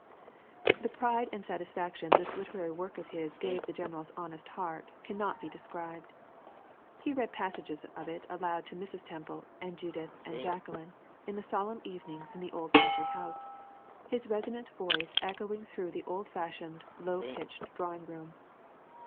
The pride and satisfaction this literary work of his gave the general's honest heart can not be described. He read passages of it aloud to Mrs. Temple and Judith and Jacqueline in the solemn evenings in the old country house, his resonant voice echoing through the old fashioned, low pitched drawing room.